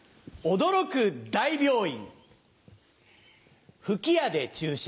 驚く大病院。